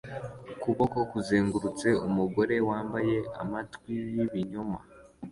ukuboko kuzengurutse umugore wambaye amatwi yibinyoma